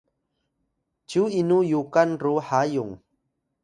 cyu inu Yukan ru Hayung?